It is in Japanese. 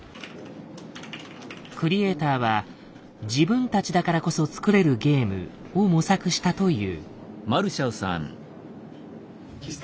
クリエイターは「自分たちだからこそつくれるゲーム」を模索したという。